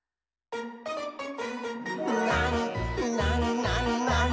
「なになになに？